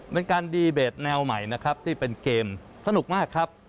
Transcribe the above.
เป็นการดีเบตแนวใหม่นะครับที่เป็นเกมสนุกมากครับ